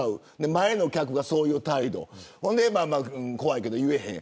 前の客がそういう態度で怖いけど言えへん。